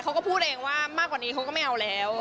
เขาก็พูดเองว่ามากกว่านี้เขาก็ไม่เอาแล้ว